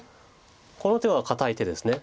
この手は堅い手です。